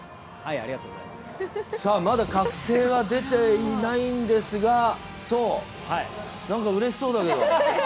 まだ確定は出ていないんですが、壮、うれしそうだけど。